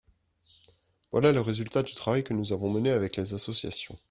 Voilà le résultat du travail que nous avons mené avec les associations.